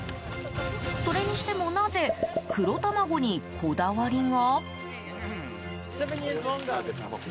それにしても、なぜ黒たまごにこだわりが？